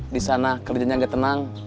di sana kerjanya nggak tenang